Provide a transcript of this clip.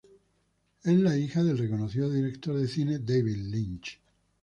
Es la hija del reconocido director de cine David Lynch.